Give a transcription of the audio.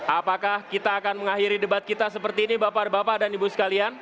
apakah kita akan mengakhiri debat kita seperti ini bapak bapak dan ibu sekalian